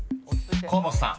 ［河本さん］